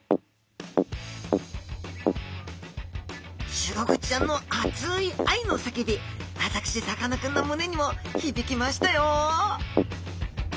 シログチちゃんの熱い愛の叫び私さかなクンの胸にも響きましたよ